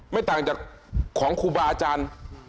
ไม่ต่างจากของครูบาอาจารย์